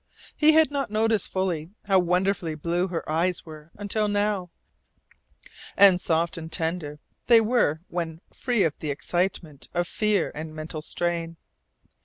He had not noticed fully how wonderfully blue her eyes were until now, and soft and tender they were when free of the excitement of fear and mental strain.